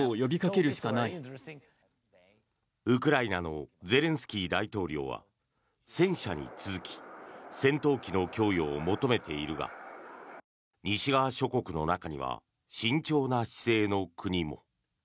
ウクライナのゼレンスキー大統領は戦車に続き戦闘機の供与を求めているが西側諸国の中には慎重な姿勢の国も。